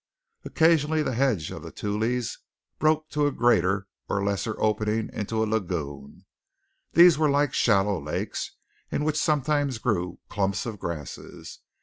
Occasionally the hedge of the tules broke to a greater or lesser opening into a lagoon. These were like shallow lakes, in which sometimes grew clumps of grasses.